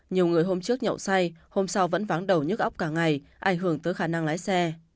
nhiều người hôm trước nhậu say hôm sau vẫn váng đầu nhức ốc cả ngày ảnh hưởng tới khả năng lái xe